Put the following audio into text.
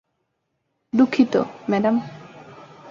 দুঃখিত, ম্যাডাম।